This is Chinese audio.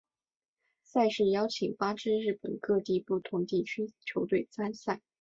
赛事邀请八支日本各地不同地区球队参赛。